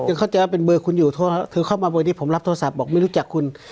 เข้าใจว่าเป็นเบอร์คุณอยู่โทรเข้ามาเบอร์นี้ผมรับโทรศัพท์บอกไม่รู้จักคุณ